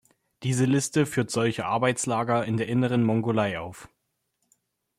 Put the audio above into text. Diese Liste führt solche Arbeitslager in der Inneren Mongolei auf.